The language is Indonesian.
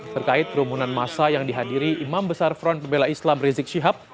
terkait kerumunan masa yang dihadiri imam besar front pembela islam rizik syihab